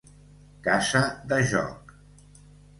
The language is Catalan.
Casa de joc.